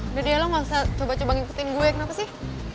udah dia lo gak usah coba coba ngikutin gue kenapa sih